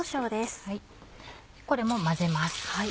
これも混ぜます。